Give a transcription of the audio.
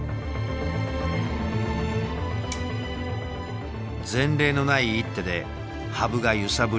前例のない一手で羽生が揺さぶりをかける。